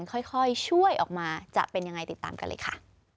ค่อยช่วยออกมาจะเป็นยังไงติดตามกันเลยค่ะ